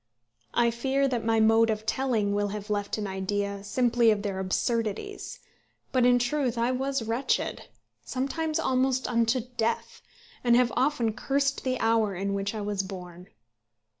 I fear that my mode of telling will have left an idea simply of their absurdities; but in truth I was wretched, sometimes almost unto death, and have often cursed the hour in which I was born.